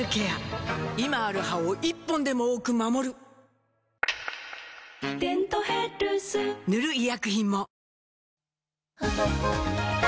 今ある歯を１本でも多く守る「デントヘルス」塗る医薬品も